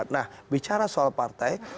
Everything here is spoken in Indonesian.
nah bicara soal partai